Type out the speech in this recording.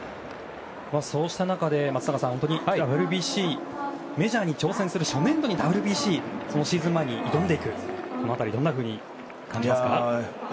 そうした中で松坂さんＷＢＣ、メジャーに挑戦する、初年度にＷＢＣシーズン前に挑んでいくという辺りどう感じますか？